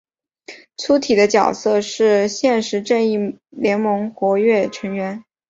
粗体的角色是现时正义联盟活跃成员。